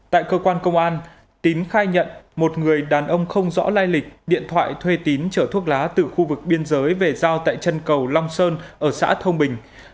tại cơ quan công an tín khai nhận một người đàn ông không rõ lai lịch điện thoại thuê tín chở thuốc lá từ khu vực biên giới về giao tại chân cầu long sơn ở xã thông bình